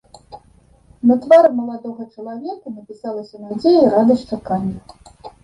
На твары маладога чалавека напісалася надзея і радасць чакання.